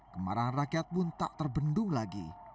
kemarahan rakyat pun tak terbendung lagi